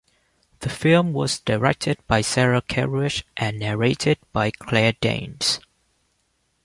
The film was directed by Sarah Kerruish and narrated by Claire Danes.